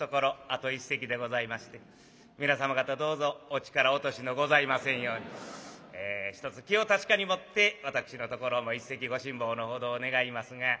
あと一席でございまして皆様方どうぞお力落としのございませんようにひとつ気を確かに持って私のところの一席ご辛抱のほどを願いますが。